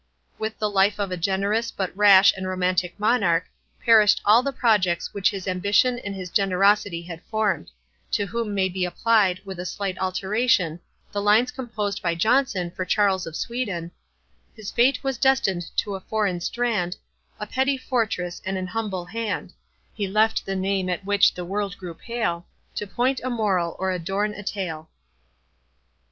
With the life of a generous, but rash and romantic monarch, perished all the projects which his ambition and his generosity had formed; to whom may be applied, with a slight alteration, the lines composed by Johnson for Charles of Sweden— His fate was destined to a foreign strand, A petty fortress and an "humble" hand; He left the name at which the world grew pale, To point a moral, or adorn a TALE.